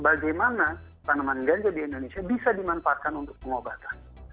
bagaimana tanaman ganja di indonesia bisa dimanfaatkan untuk pengobatan